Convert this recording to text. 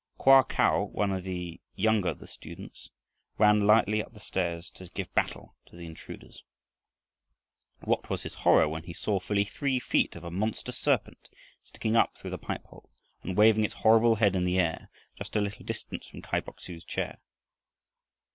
Koa Kau, one of the younger of the students, ran lightly up the stairs to give battle to the intruders. What was his horror when he saw fully three feet of a monster serpent sticking up through the pipe hole and waving its horrible head in the air just a little distance from Kai Bok su's chair.